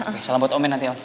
oke salam buat omin nanti om